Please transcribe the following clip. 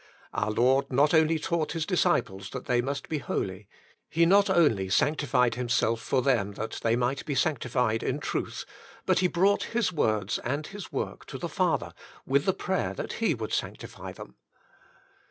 Our Lord not only taught His disciples that they must be holy; He not only sanctified 136 The Inner Chamber Himself for them, that they miglit "be sancti fied in truth, but He brought His words and His work to the Father with the Prayer That He Would Sanctify Them.